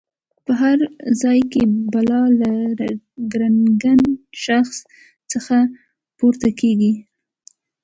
په هر ځای کې بلا له ګړنګن شخص څخه پورته کېږي.